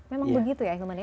memang begitu ya hilman ya